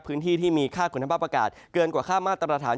พื้นที่ที่มีค่าคุณภาพอากาศเกินกว่าค่ามาตรฐาน